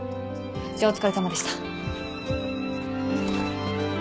じゃお疲れさまでした。